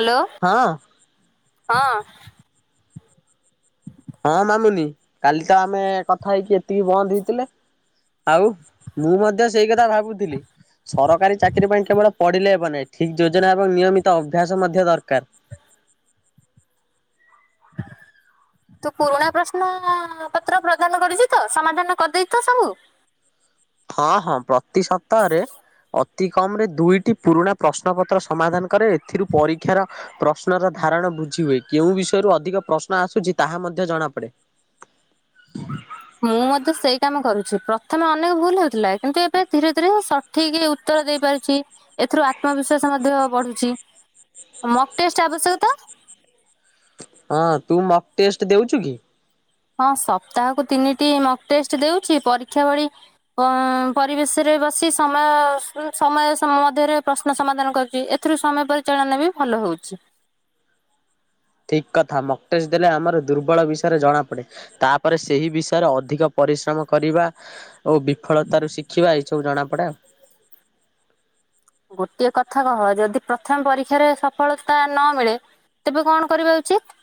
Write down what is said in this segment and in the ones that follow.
Hello. ହଁ। ହଁ। ହଁ ମାମୁନି କାଲି ତ ଆମେ କଥା ହେଇକି ଏତିକି ବନ୍ଦ ହେଇଥିଲେ। ଆଉ ମୁଁ ମଧ୍ୟ ସେଇ କଥା ଭାବୁଥୁଲି। ସରକାରୀ ଚାକିରି ପାଇଁ କେବଳ ପଢିଲେ ହେବନାହିଁ ଠିକ ଯୋଜନା ଏବଂ ନିୟମିତ ଅଭ୍ୟାସ ମଧ୍ୟ ଦରକାର। ହ [inaudible] ତୁ ପୁରୁଣା ପ୍ରଶ୍ନ ପତ୍ର ପ୍ରଦାନ କରିଚୁ ତ ସମାଧାନ କରିଦେଇଚୁ ତ ସବୁ। ହଁ ହଁ ପ୍ରତି ସପ୍ତାହରେ ଅ ଅତି କମରେ ଦୁଇଟି ପୁରୁଣା ପ୍ରଶ୍ନ ପତ୍ର ସମାଧାନ କରେ ଏଥିରୁ ପରୀକ୍ଷାର ପ୍ରଶ୍ନର ଧାରଣ ବୁଝି ହୁଏ କେଉଁ ବିଷୟରୁ ଅଧିକ ପ୍ରଶ୍ନ ଆସୁଚି ତାହା ମଧ୍ୟ ଜଣାପଡେ। ହୁଁ ମୁଁ ମଧ୍ୟ ସେଇ କାମ କରୁଛି ପ୍ରଥମେ ଅନେକ ଭୁଲ ହୋଉଥୁଲା କିନ୍ତୁ ଏବେ ଧୀରେଧୀରେ ସଟ୍ ଠିକି ଉତ୍ତର ଦେଇପାରୁଚି। ଏଥିରୁ ଆତ୍ମବିଶ୍ଵାସ ମଧ୍ୟ ବଢୁଛି ମକ୍ ଟେଷ୍ଟ ଆବଶ୍ୟକ ତ? ହଁ ତୁ ମକ୍ ଟେଷ୍ଟ୍ ଦେଉଚୁ କି? ହଁ ସପ୍ତାହକୁ ତିନିଟି ମକ୍ ଟେଷ୍ଟ ଦେଉଛି ପରୀକ୍ଷା ଭଳି ପଁ ପରିବେଶରେ ବସି ସମୟ ସନ୍ ସମୟ ମଧ୍ୟରେ ପ୍ରଶ୍ନ ସମାଧାନ କରୁଚି। ଏଥିରୁ ସମୟ ପରିଚାଳନା ବି ଭଲ ହୋଉଛି। ଠିକକଥା ମକ୍ ଟେଷ୍ଟ୍ ଦେଲେ ଆମର ଦୁର୍ବଳ ବିଷୟରେ ଜଣାପଡେ। ତାପରେ ସେହି ବିଷୟରେ ଅଧିକ ପରିଶ୍ରମ କରିବା ଓ ବିଫଳତାରୁ ଶିଖିବା ଏହିସବୁ ଜଣା ପଡା ଆଉ। ଗୋଟିଏ କଥା କହ ଯଦି ପ୍ରଥମ ପରୀକ୍ଷାରେ ସଫଳତା ନ ମିଳେ ତେବେ କଣ କରିବା ଉଚିତ୍?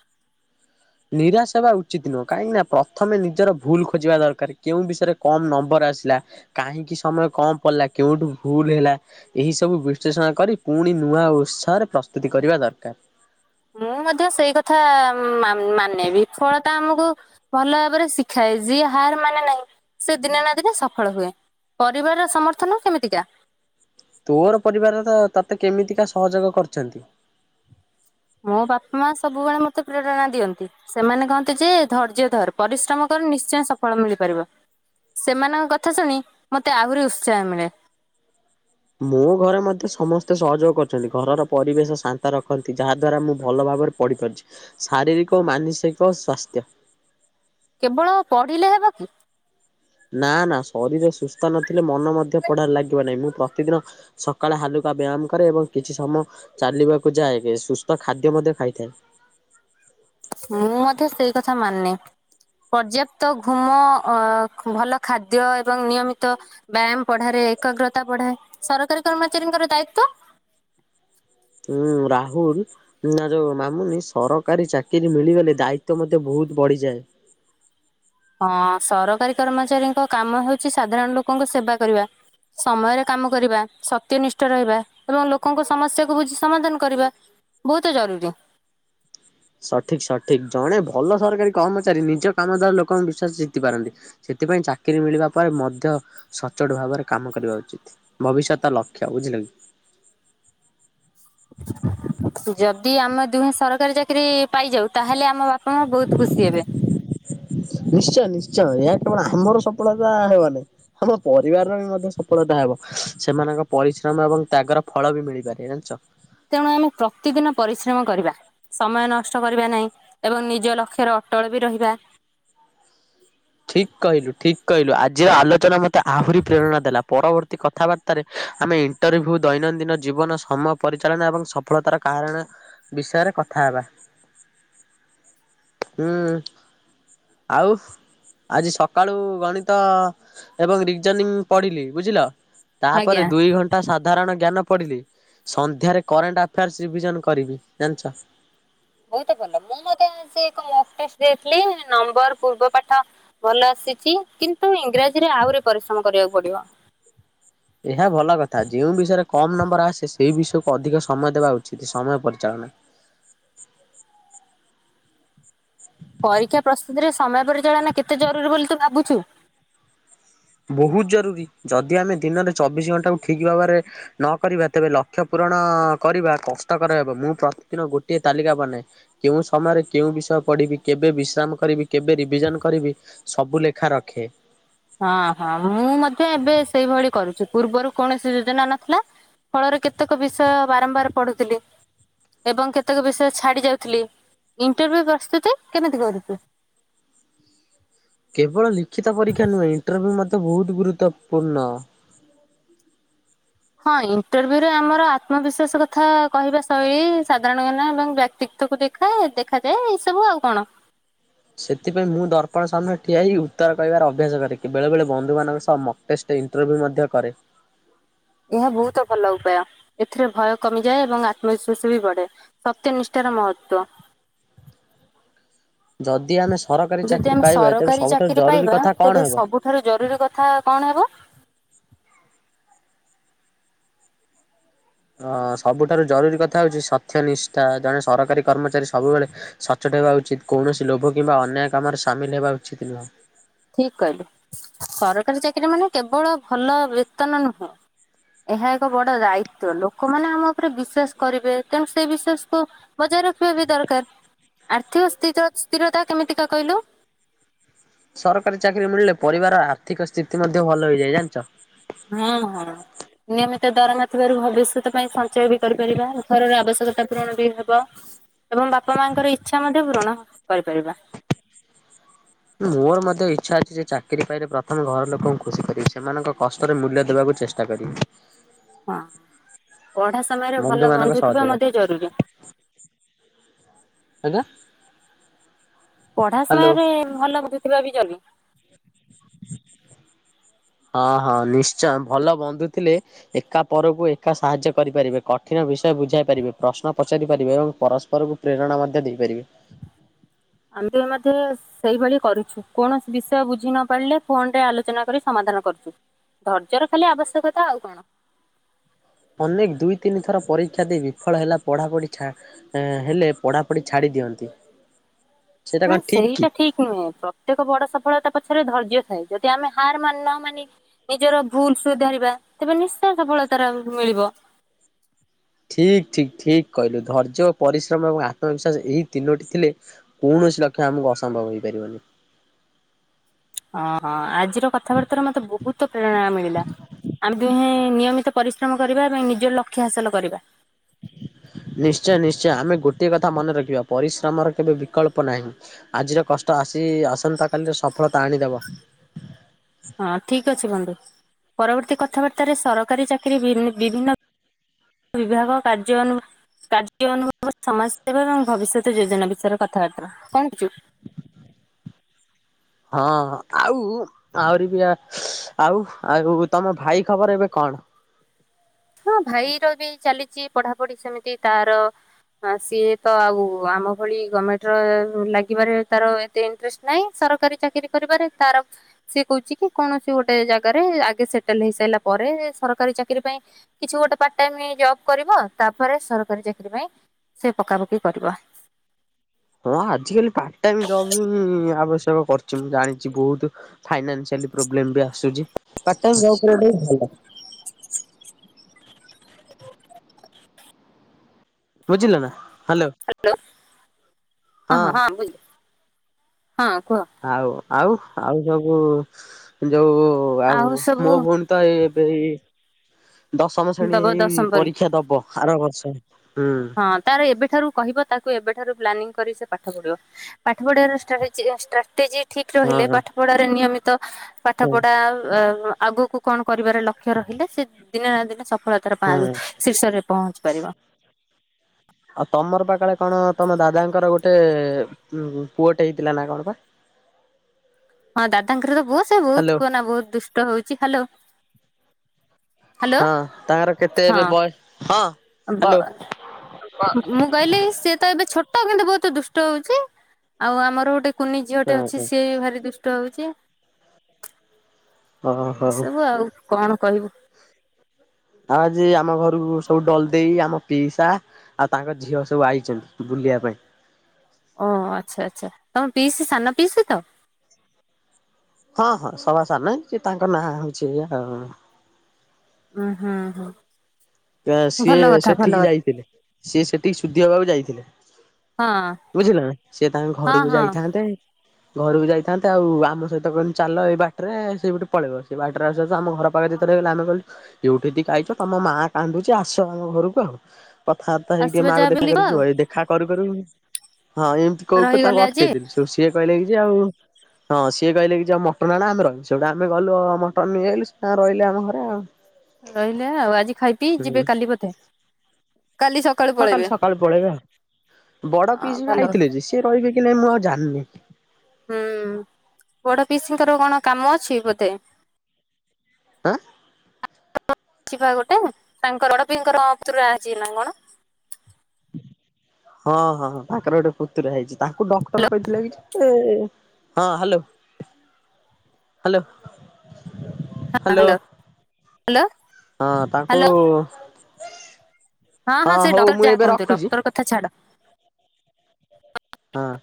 ନିରାଶ ହେବା ଉଚିତ ନୁହଁ କାହିଁକିନା ପ୍ରଥମେ ନିଜର ଭୁଲ ଖୋଜିବା ଦରକାର କେଉଁ ବିଷୟରେ କମ୍ ନମ୍ବର ଆସିଲା କାହିଁକି ସମୟ କମ୍ ପଡିଲା କେଉଁଠୁ ଭୁଲ ହେଲା ଏହି ସବୁ ବିଶ୍ଳେଷଣ କରି ପୁଣି ନୂଆ ଉତ୍ସାହରେ ପ୍ରସ୍ତୁତି କରିବା ଦରକାର। ମୁଁ ମଧ୍ୟ ସେଇ କଥା ମା ମାନେ ବିଫଳତା ଆମକୁ ଭଲ ଭାବରେ ଶିଖାଏ ଯିଏ ହାର ମାନେ ନାହିଁ ସେ ଦିନେ ନା ଦିନେ ସଫଳ ହୁଏ। ପରିବାରର ସମର୍ଥନ କେମିତିକା? ତୋର ପରିବାରରେ ତ ତତେ କେମିତିକା ସହଯୋଗ କରିଚନ୍ତି? ମୋ ବାପାମାଆ ସବୁବେଳେ ମତେ ପ୍ରେରଣା ଦିଅନ୍ତି। ସେମାନେ କହନ୍ତି ଯେ ଧୈର୍ଯ୍ୟ ଧର ପରିଶ୍ରମ କର ନିଶ୍ଚୟ ସଫଳ ମିଳିପାରିବ। ସେମାନଙ୍କ କଥା ଶୁଣି ମତେ ଆହୁରି ଉତ୍ସାହ ମିଳେ। ମୋ ଘରେ ମତେ ସମସ୍ତେ ସହଯୋଗ କରଛନ୍ତି ଘରର ପରିବେଶ ଶାନ୍ତ ରଖନ୍ତି ଯାହା ଦ୍ଵାରା ମୁଁ ଭଲ ଭାବରେ ପଢିପାରୁଛି ଶାରୀରିକ ଓ ମାନସିକ ସ୍ୱାସ୍ଥ୍ୟ କେବଳ ପଢିଲେ ହେବ କି? ନା ନା ଶରୀର ସୁସ୍ଥ ନଥିଲେ ମନ ମଧ୍ୟ ପଢାରେ ଲାଗିବ ନାହିଁ ମୁଁ ପ୍ରତିଦିନ ସକାଳେ ହାଲୁକା ବ୍ୟାୟାମ କରେ ଏବଂ କିଛି ସମୟ ଚାଲିବାକୁ ଯାଏ ବି ସୁସ୍ତ ଖାଦ୍ୟ ମଧ୍ୟ ଖାଇଥାଏ। ମୁଁ ମଧ୍ୟ ସେଇ କଥା ମାନେ। ପର୍ଯ୍ୟପ୍ତ ଘୁମ ଅ ଭଲ ଖାଦ୍ୟ ଏବଂ ନିୟମିତ ବ୍ୟାୟାମ ପଢାରେ ଏକାଗ୍ରତା ବଢାଏ ସରକାରୀ କର୍ମଚାରୀଙ୍କର ଦାୟିତ୍ୱ ଉଁ ରାହୁଲ ନା ଯୋଉ ମାମୁନି ସରକାରୀ ଚାକିରି ମିଳିଗଲେ ଦାୟିତ୍ୱ ମଧ୍ୟ ବୋହୁତ ବଢିଯାଏ। ହଁ ସରକାରୀ କର୍ମଚାରୀଙ୍କ କାମ ହୋଉଚି ସାଧାରଣ ଲୋକଙ୍କ ସେବା କରିବା। ସମୟରେ କାମ କରିବା ସତ୍ୟ ନିଷ୍ଠ ରହିବା ଏବଂ ଲୋକଙ୍କ ସମସ୍ୟାକୁ ବୁଝି ସମାଧାନ କରିବା। ବୋହୁତ ଜରୁରୀ। ସଠିକ୍ ସଠିକ୍ ଜଣେ ଭଲ ସରକାରୀ କର୍ମଚାରୀ ନିଜ କାମ ଦ୍ଵାରା ଲୋକଙ୍କ ବିଶ୍ୱାସ ଜିତିପାରନ୍ତି। ସେଥିପାଇଁ ଚାକିରି ମିଳିବା ପରେ ମଧ୍ୟ ସଚୋଟ ଭାବରେ କାମ କରିବା ଉଚିତ। ଭବିଷ୍ୟତ ଲକ୍ଷ୍ୟ ବୁଝିଲେ କି। ଯଦି ଆମେ ଦୁହେଁ ସରକାରୀ ଚା କିରି ପାଇଯାଉ ତାହେଲେ ଆମ ବାପାମାଆ ବୋହୁତ ଖୁସିହେବେ। ନିଶ୍ଚୟ ନିଶ୍ଚୟ ଏହା କେବଳ ଆମର ସଫଳତା ହେବନାଇଁ ଆମ ପରିବାରର ବି ମଧ୍ୟ ସଫଳତା ହବ ସେମାନଙ୍କ ପରିଶ୍ରମ ଏବଂ ତ୍ୟାଗର ଫଳ ବି ମିଳିପାରେ ଜଣିଚ। ତେଣୁ ଆମେ ପ୍ରତିଦିନ ପରିଶ୍ରମ କରିବା। ସମୟ ନଷ୍ଟ କରିବା ନାହିଁ ଏବଂ ନିଜ ଲକ୍ଷ୍ୟରେ ଅଟଳ ବି ରହିବା। ଠିକ୍ କହିଲୁ ଠିକ କହିଲୁ ଆଜିର ଆଲୋଚନା ମୋତେ ଆହୁରି ପ୍ରେରଣା ଦେଲା ପରବର୍ତ୍ତୀ କଥାବାର୍ତ୍ତା ତାରେ ଆମେ ଇଣ୍ଟରଭ୍ୟୁ ଦୈନନ୍ଦିନ ଜୀବନ ସମୟ ପରିଚାଳନା ଏବଂ ସଫଳତାର କାରଣ ବିଷୟରେ କଥା ହେବା। ହୁଁ ଆଉ ଆଜି ସକାଳୁ ଗଣିତ ଏବଂ ରିଜନିଙ୍ଗ ପଢିଲି ବୁଝିଲ ତାପରେ ଆଜ୍ଞା। ଦୁଇ ଘଣ୍ ଟା ସାଧାରଣ ଜ୍ଞାନ ପଢିଲି ସନ୍ଧ୍ୟାରେ କରେଣ୍ଟ ଆଫେୟାର୍ସ ରିଭିଜନ କରିବି ଜାଣିଚ। ବହୁତ ଭଲ ମୁଁ ମଧ୍ୟ ସେଇ ଲଙ୍ଗ ଟେଷ୍ଟ ରେ ଦେଇଥିଲି ନମ୍ବର ପୂର୍ବପଠ ଭଲ ଆସିଚି କିନ୍ତୁ ଇଂରାଜୀରେ ଆହୁରି ପରିଶ୍ରମ କରିବାକୁ ପଡିବ। ଏହା ଭଲ କଥା ଯେଉଁ ବିଷୟରେ କମ୍ ନମ୍ବର ଆସେ ସେଇ ବିଷୟକୁ ଅଧିକ ସମୟ ଦେବା ଉଚିତ ସମୟ ପରିଚାଳନା। ପରୀକ୍ଷା ପ୍ରସ୍ତୁତିରେ ସମୟ ପରିଚାଳନା କେତେ ଜରୁରୀ ବୋଲି ତୁ ଭାବୁଚୁ? ବହୁତ ଜରୁରୀ ଯଦି ଆମେ ଦିନରେ ଚବିଶ ଘଣ୍ଟା କ ଠିକ ଭାବରେ ନ କରିବା ତେବେ ଲକ୍ଷ୍ୟ ପୂରଣ କରିବା କଷ୍ଟକର ହେବ ମୁଁ ପ୍ରତିଦିନ ଗୋଟିଏ ତାଲିକା ବନାଏ କେଉଁ ସମୟରେ କେଉଁ ବିଷୟ ପଢ଼ିବି କେବେ ବିଶ୍ରାମ କରିବି କେବେ ରିଭିଜନ କରିବି ସବୁ ଲେଖା ରଖେ। ହଁ ହଁ ମୁଁ ମଧ୍ୟ ଏବେ ସେଇଭଳି କରୁଛି ପୂର୍ବରୁ କୌଣସି ଯୋଜନା ନଥିଲା ଫଳରେ କେତେକ ବିଷୟ ବାରମ୍ବାର ପଢୁଥିଲି ଏବଂ କେତେକ ବିଷୟ ଛାଡି ଯାଉଥିଲି ଇଣ୍ଟରଭିୁ ପ୍ରସ୍ତୁତି କେମିତି କରୁଚୁ? କେବଳ ଲିଖିତ ପରୀକ୍ଷା ନୁହେଁ ଇଣ୍ଟରଭ୍ୟୁ ମୋତେ ବହୁତ ଗୁରୁତ୍ୱପୂର୍ଣ୍ଣ। ହଁ ଇଣ୍ଟରଭ୍ୟୁ ରେ ଆମର ଆତ୍ମବିଶ୍ଵାସ କଥା କହିବା ଶୈଳୀ ସାଧାରଣଜ୍ଞାନ ଏବଂ ବ୍ୟକ୍ତିତଵକୁ ଦେଖ ଦେଖେ ଦେଖାଯାଏ ଏଇ ସବୁ ଆଉ କଣ। ସେଥିପାଇଁ ମୁଁ ଦର୍ପଣ ସାମ୍ନାରେ ଠିଆ ହେଇ ଉତ୍ତର କହିବାର ଅଭ୍ୟାସ କରେ କି ବେଳେବେଳେ ବନ୍ଧୁ ମାନଙ୍କ ସହ ଟେଷ୍ଟ ଇଣ୍ଟରଭ୍ୟୁ ମଧ୍ୟ କରେ। ଏହା ବହୁତ ଭଲ ଉପାୟ ଏଥିରେ ଭୟ କମିଯାଏ ଏବଂ ଆତ୍ମବିଶ୍ୱଵାସ ବି ବଢେ। ସତ୍ୟ ନିଷ୍ଠାର ମହତ୍ୟ। ଯଦି ଆମେ ସରକାରୀ ଯଦି ଚାକିରି ଆମେ ପାଇବା ତେବେ ସରକାରୀ ସବୁଠାରୁ ଚାକିରି ଜରୁରୀ ପାଇବା କଥା କଣ ତେବେ ହେବ? ସବୁଠାରୁ ଜରୁରୀ କଥା କଣ ହେବ? ଅ ସବୁଠାରୁ ଜରୁରୀ କଥା ହଉଚି ସତ୍ୟ ନିଷ୍ଠା ଜଣେ ସରକାରୀ କର୍ମଚାରୀ ସବୁବେଳେ ସଚୋଟ ହେବା ଉଚିତ କୌଣସି ଲୋଭ କିମ୍ବା ଅନ୍ୟାୟ କାମରେ ସାମିଲ ହେବା ଉଚିତ ନୁହଁ। ଠିକ କହିଲେ ସରକାରୀ ଚାକିରୀ ମାନେ କେବଳ ଭଲ ବ୍ରେତନ ନୁହେଁ। ଏହା ଏକ ବଡ ଦାୟିତ୍ୟ ଲୋକମାନେ ଆମ ଉପରେ ବିଶ୍ଵାସ କରିବେ ତେଣୁ ସେ ବିଶ୍ୱାସ କୁ ବଜାର ରଖିବା ବି ଦରକାର ଆର୍ଥିକ ସ୍ଥି ସ୍ଥିରତା କେମିତିକା କହିଲୁ? ସରକାରୀ ଚାକିରି ମିଳିଲେ ପରିବାର ଆର୍ଥିକ ସ୍ଥିତି ମଧ୍ୟ ଭଲ ହେଇଯାଏ ଜାଣିଚ। ହଁ ହଁ ନିୟମିତ ଦରମା ଥିବାରୁ ଭବିଷ୍ୟତ ପାଇଁ ସଞ୍ଚ ସଞ୍ଚୟ ବି କରିପାରିବାଉ ଘରର ଆବଶ୍ୟକତା ପୂରଣ ବି ହବ ଏବଂ ବାପା ମାଙ୍କର ଇଚ୍ଛା ମଧ୍ୟ ପୂୁରଣ କରିପାରିବା। ମୋର ମଧ୍ୟ ଇଚ୍ଛା ଅଛି ଯେ ଚାକିରୀ ପାଇଲେ ପ୍ରଥମେ ଘର ଲୋକଙ୍କୁ ଖୁସି କରିବି ସେମାନଙ୍କ କଷ୍ଟରେ ମୂଲ୍ୟ ଦେବାକୁ ଚେଷ୍ଟା ଷ୍ଟା କରିିବି। ହଁ ପଢା ସମୟରେ ଭଲ ମାନଙ୍କ ବନ୍ଧୁ ଥିବା ସହଯୋଗ ମଧ୍ୟ ଜରୁରୀ। ଆଜ୍ଞା। ପଢା ହ୍ୟାଲୋ ସମୟରେ ଭଲ ବନ୍ଧୁ ଥିବା ବି ଜରୁରୀ। ହଁ ହଁ ନିଶ୍ଚୟ ଭଲ ବନ୍ଧୁ ଥିଲେ ଏକା ପରକୁ ଏକା ସାହାଯ୍ୟ କରିପାରିବେ କଠିନ ବିଷୟ ବୁଝାଇ ପାରିବେ ପ୍ରଶ୍ନ ପଚାରି ପାରିବେ ଏବଂ ପରସ୍ପରକୁ ପ୍ରେରଣା ମଧ୍ୟ ଦେଇପାରିବେ। [unintelligible] ସେଇଭଳି କରୁଛୁ କୌଣସି ବିଷୟ ବୁଝି ନ ପାରିଲେ ଫୋନ ରେ ଆଲୋଚନା କରି ସମାଧାନ କରୁଚୁ। ଧୈର୍ଯ୍ୟ ର ଖାଲି ଆବଶ୍ୟକତା ଆଉ କଣ। ଅନେକ ଦୁଇ ତିନି ଥର ପରୀକ୍ଷା ଦେଇ ବିଫଳ ହେଲା ପଢ଼ାପଢି ଛାଡ଼ ଆ ହେଲେ ପଢାପଢି ଛାଡି ଦିଅନ୍ତି। ସେଇଟା ନା କଣ ଠିକ କି? ସେଇଟା ଠିକ। ନୁହେଁ ପ୍ରତ୍ୟେକ ବଡ ସଫଳତା ପଛରେ ଧୈର୍ଯ୍ୟ ଥାଏ। ଯଦି ଆମେ ହାର ମାନନା ମାନେ- ନିଜର ଭୁଲ ସୁଧାରିବା ତେବେ ନିଶ୍ଚୟ ସଫଳତାର ମିଳିବ। ଠିକ୍ ଠିକ୍ ଠିକ୍ କହିଲୁ ଧୈର୍ଯ୍ୟ ପରିଶ୍ରମ ଏବଂ ଆତ୍ମବିଶ୍ୱାସ ଏହି ତିନୋଟି ଥିଲେ। କୌଣସି ଲକ୍ଷ୍ୟ ଆମକୁ ଅସମ୍ଭବ ହେଇପାରିବନି। ହଁ ହଁ ଆଜିର କଥାବାର୍ତ୍ତାରେ ମତେ ବହୁତ ପ୍ରେରଣା ମିଳିଲା ଆମେ ଦୁହେଁ ନିୟମିତ ପରିଶ୍ରମ କରିବା ଏବଂ ନିଜର ଲକ୍ଷ୍ୟ ହାସଲ କରିବା। ନିଶ୍ଚୟ ନିଶ୍ଚୟ ଆମେ ଗୋଟେ କଥା ମନେ ରଖିବା ପରିଶ୍ରମର କେବେ ବିକଳ୍ପ ନାହିଁ। ଆଜିର କଷ୍ଟ ଆସି ଆସନ୍ତା କାଲିରେ ସଫଳତା ଆଣିଦବ। ହଁ ଠିକ ଅଛି ବନ୍ଧୁ ପରବର୍ତ୍ତୀ କଥାବାର୍ତ୍ତ ରେ ସରକାରୀ ଚାକିରି ବିଭିନ୍ନ- ବିଭାଗ କାର୍ଯ୍ୟାନୁ କାର୍ଯ୍ୟ ଅନୁଭବ ସମାଜ ସେବା ଏବଂ ଭବିଷ୍ୟତ ଯୋଜନା ବିଷୟରେ କଥାବାର୍ତ୍ତା କଣ କରଛୁ। ହଁ ଆଉ। ଆହୁରି ବି ଆଉ ଆଉ ତମ ଭାଇ ଖବର ଏବେ କଣ? ହଁ ଭାଇର ବି ଚାଲିଛି ପଢାପଢି ସେମିତି ତାର। ହଁ ସିଏ ତ ଆଉ ଆମ ଭଳି ଗଭର୍ଣମେଣ୍ଟ ର ଲାଗିବାରେ ତାର- ଇଂଟରେଷ୍ଟ ନାହିଁ ସରକାରୀ ଚାକିରରି କରିବାରେ ତାର- ସିଏ କହୁଛି କି କୌଣସି ଗୋଟେ ଜାଗାରେ ଆଗେ ସେଟେଲ ହେଇସାରିଲା ପରେ ସରକାରୀ ଚାକିରି ପାଇଁ- କିଛି ଗୋଟେ ପାର୍ଟ ଟାଇମ ଜବ କରିବ ତାପରେ ସରକାରୀ ଚାକିରରି ପାଇଁ ସେ ପକାପକି କରିବ। ହଁ ଆଜିକାଲି ପାର୍ଟ ଟାଇ ଜବ୍ ଆବଶ୍ୟକ କରିଛି। ମୁଁ ଜାଣିଛି ବହୁତ- ଫାଇଆବ୍ଲେ ବି ଆସୁଛି ଭଲ। ବୁଝିଲ ନା ହ୍ୟାଲୋ। ହ୍ୟାଲୋ ହଁ ହଁ ହଁ ବୁଲୁ ହଁ କୁହ ଆଉ ଆଉ ଆଉ ସବୁ ଯଉ ଆଉ ମୋ ଭଉଣୀ- ତ ଏ ଏବେ ଦଶମ ଶ୍ରେଣୀ ଦବ ଏଇ ଦଶମ ପରୀ ପରୀକ୍ଷା ଦବ। ସାର ବର୍ଷ ହୁଁ। ହଁ ତାର ଏବେଠାରୁ କହିବ ତାକୁ ଏବେଠାରୁ ପ୍ଲାନିଂ କରି ସେ ପାଠ ପଢିବ। ପାଠ ପଢିବାର ଷ୍ଟାର୍ଟ କରିଚି, ଷ୍ଟାର୍ଟଜି [unintelligible] ଠିକ ରହିଲେ ହଁ ପାଠପଢ଼ାରେ ନିୟମିତ ହୁଁ ପାଠପଢା ଆଗକୁ- କ ଣ କରିବାର ଲକ୍ଷ୍ୟ ରହିଲେ ସେ ଦିନେ ନା ଦିନେ ସଫଳତାର ହୁଁ। ଶୀର୍ଷରେ ପହଞ୍ଚି ପାରିବ। ଆଉ ତମର ପାଖଳେ କଣ ତମ ଦାଦାଙ୍କର ଗୋଟେ ଉ ପୁଅଟେ ହେଇଥିଲା ନା କଣ ପା? ହଁ ଦାଦାଙ୍କର ତ ବୁଅ ସେ ବହୁତ ହ୍ୟାଲୋ କୁହନା ବହୁତ ଦୁଷ୍ଟ ହଉଛି। ହଲୋ ହଁ ତାଙ୍କର କେତେ ଏବେ ବୟ ହଁ। ମୁଁ ହ୍ୟାଲୋ। [unintelligible] କହିଲି ସିଏ ତ ଏବେ ଛୋଟ କିନ୍ତୁ ବହୁତ ଦୁଷ୍ଟ ହଉଛି। ଆଉ ଆମର ଗୋଟେ- କୁନି ଝିଅ ଟେ ହୁଁ ଅଛି ହୁଁ। ସିଏ ବି ଭାରି ଦୁଷ୍ଟ ହଉଛି। ଓହୋ ହଉ। ଏସବୁ ଆଉ କଣ କହିବୁ। ଆଉ ଆଜି ଆମ ଘରକୁ ସବୁ ଡଲ ଦେଇେଇ ଆମ ପିଇସା। ଆଉ ତାଙ୍କ ଝିଅ ସବୁ ଆଇଛନ୍ତି ବୁଲିବା ପାଇଁ। ଓ ଆଚ୍ଛା ଆଚ୍ଛା ତମେ ପିଇସ୍ ସାନ ପିଇସ୍ ତ। ହଁ ହଁ ସବାସାର ନହିଁ ତାଙ୍କ ନାଁ ହଉଛି ଆଉ। ହୁଁ ହୁଁ ହୁଁ ସିଏ ଭଲ କଥା ଭଲ ସେଠିକି କଥା ଯାଇଥିଲେ ସିଏ ସେଠିକି ଶୁଦ୍ଧି ହେବାକୁ ଯାଇଥିଲେ। ହଁ ବୁଝିଲ ସିଏ ତାଙ୍କ ହଁ ଘରକୁ ହଁ ଯାଇଥାନ୍ତେ। ଘରୁକୁ ଯାଇଥାନ୍ତେ ଆଉ ଆମ ସହିତ କ ଚାଲ ଏଇ ବାଟରେ ସେଇଟେ ପଳେଇବ ସେଇ ବାଟରେ ଆ ସତ ଆମ ଘର ପାଖରେ। ଆମେ କହୁଉଠିିକି ଖାଇଛ ତମ ମା- କାନ୍ଦୁଛି ଆସ ଆମ ଘରକୁ ଆଉ କଥାବାର୍ତ୍ତା ହେଇକି ଆସିବ ମାଆ କୁ ଯାହା ଦେଖା ବୁଲିବ କରିକି ଆଉ [unintelligible] ଖା କରୁ କରୁ ହଁ ଏମିତି କହୁ କ ତାଙ୍କୁ ରହିଗଲେ ଆଜି ଅଟକେଇଦେଲି। ସୋ ସିଏ କହିଲେ କି ଯେ ଆଉ ହଁ ସିଏ କହିଲେ କି ଯାଅ ମଟନ୍ ଆଣ ଆମେ ରହିବୁ। ସେଉଟୁ ଆମେ ଗଲୁ ମଟନ୍ ନେଇ ଆଇଲୁ ସିଏ ତାଙ୍କ ରହିଲେ ଆମ ଘରେ ଆଉ। ରହିଲେ ଆଉ ଆଜି ଖାଇ ପି ଯିବେ ହୁଁ କାଲି ବୋଧେ। କାଲି ସ ହଁ କାଲି ସକାଳୁ ପଳେଇବେ ଆଉ। ବଡ ହଁ ପିଇସ ବି ଭଲ ଆଇଥିଲେ ଯେ ସିଏ ରହିବେ କି ନାଇଁ ମୁଁ ଆଉ ଜାଣନି। ହୁଁ ବଡ ପିଇସିଙ୍କର କଣ କାମ ଅଛି ବୋଧେ? ଆଁ, [inaudible] ଅଛି ପା ଗୋଟେ ତାଙ୍କ ବଡ ପିଙ୍କର ପୁତୁରା ଆଇଚି ନା କଣ? ହଁ, ହଁଁ, ହଁ ତାଙ୍କର ଗୋଟେ ପୁତୁରା ହେଇଛି। ତାଙ୍କୁ ଡକ୍ଟର୍ କହିଥିଲେ କି ଯେ ହଁ, hello, hello. Hello hello hello hello ହଁ, ତାଙ୍କୁ ହ୍ୟାଲୋ ହଁ, ହଁ ସେ ହଉ ଡକ୍ଟର୍ ମୁଁ ଯାହା ଏବେ କହନ୍ତୁ। ରଖୁଛି ଡକ୍ଟର୍ କଥା ଛାଡ। ହଁ,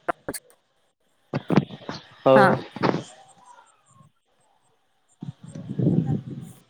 ହଉ, ହଁ ହୋ। [inaudible]